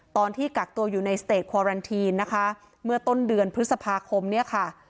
ตอนที่กักตัวอยู่ในสเตจควารันทีนนะคะเมื่อต้นเดือนพฤษภาคมเนี่ยค่ะ